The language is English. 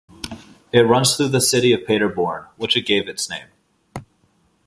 It runs through the city of Paderborn, which it gave its name.